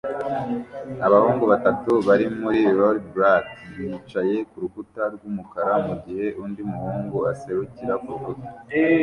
Abahungu batatu bari muri rollerblad bicaye kurukuta rwumukara mugihe undi muhungu aserukira kurukuta